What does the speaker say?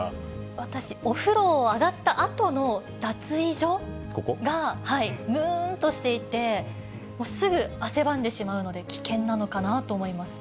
私、お風呂上がったあとの脱衣所が、むーんとしていて、もうすぐ汗ばんでしまうので危険なのかなと思います。